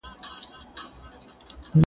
ما خو دا نه ویل شینکی آسمانه-